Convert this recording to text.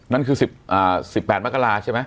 นั่นคือ๑๘มกราใช่ไหม